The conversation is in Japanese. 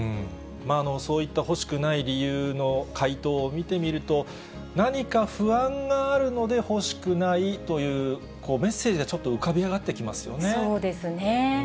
そういった欲しくない理由の回答を見てみると、何か不安があるので欲しくないというメッセージがちょっと浮かびそうですね。